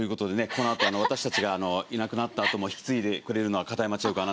このあと私たちがいなくなったあとも引き継いでくれるのは片山千恵子アナウンサーです。